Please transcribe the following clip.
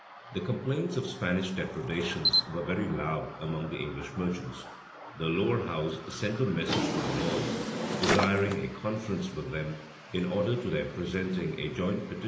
The complaints of Spanish depredations were very loud among the English merchants.[] The lower house sent a message to the lords, desiring a conference with them, in order to their presenting a joint petition to the king on the subject.